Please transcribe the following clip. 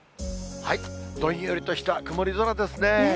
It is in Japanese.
どんよりとした曇り空ですね。